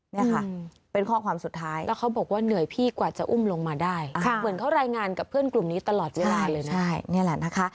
นี่ค่ะเป็นข้อความสุดท้ายแล้วเขาบอกว่าเหนื่อยพี่กว่าจะอุ้มลงมาได้เหมือนเขารายงานกับเพื่อนกลุ่มนี้ตลอดเวลาเลยนะนี่แหละนะคะ